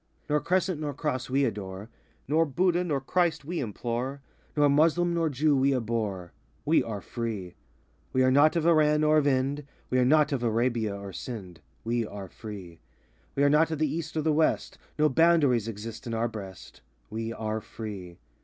Nor Crescent Nor Cross we adore; Nor Budha nor Christ we implore; Nor Muslem nor Jew we abhor: We are free. We are not of Iran or of Ind, We are not of Arabia or Sind: We are free. We are not of the East or the West; No boundaries exist in our breast: We are free.